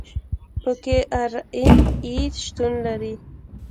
پکې آر این اې شتون لري.